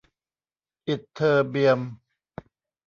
อิตเทอร์เบียม